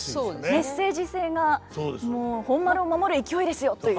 メッセージ性が「本丸を守る勢いですよ」という。